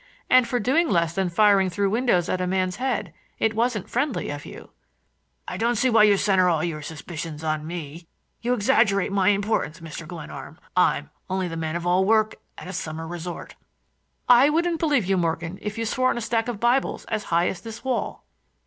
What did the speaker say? "And for doing less than firing through windows at a man's head. It wasn't friendly of you." "I don't see why you center all your suspicions on me. You exaggerate my importance, Mr. Glenarm. I'm only the man of all work at a summer resort." "I wouldn't believe you, Morgan, if you swore on a stack of Bibles as high as this wall."